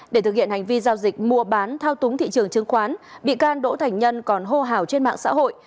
để thực hiện hành vi giao dịch mua bán thao túng thị trường chứng khoán bị can đỗ thành nhân còn hô hào trên mạng xã hội